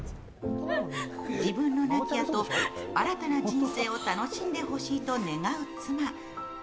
自分の亡きあと、新たな人生を楽しんでほしいと願う妻。